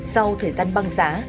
sau thời gian băng giá